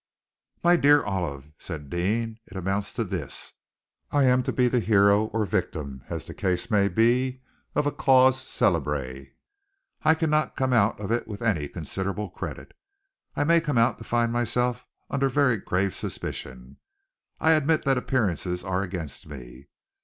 "My dear Olive," said Deane, "it amounts to this. I am to be the hero or victim, as the case may be, of a cause célèbre. I cannot come out of it with any considerable credit; I may come out to find myself under very grave suspicion. I admit that appearances are against me.